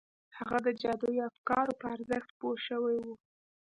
هغه د جادویي افکارو په ارزښت پوه شوی و